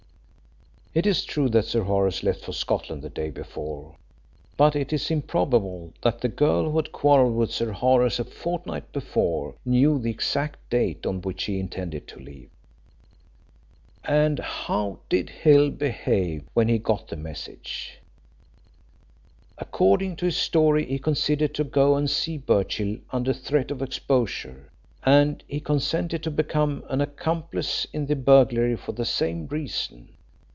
It is true that Sir Horace left for Scotland the day before, but it is improbable that the girl who had quarrelled with Sir Horace a fortnight before knew the exact date on which he intended to leave. And how did Hill behave when he got the message? According to his story, he consented to go and see Birchill under threat of exposure, and he consented to become an accomplice in the burglary for the same reason.